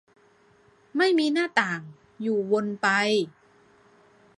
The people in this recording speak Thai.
ไม่มีหน้าต่าง อยู่วนไป